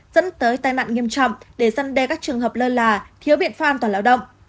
dẫn tới tai nạn nghiêm trọng để dân đe các trường hợp lơ là thiếu biện pháp an toàn lao động